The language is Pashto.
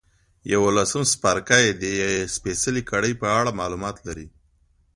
یوولسم څپرکی د سپېڅلې کړۍ په اړه معلومات لري.